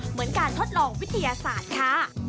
เหมือนการทดลองวิทยาศาสตร์ค่ะ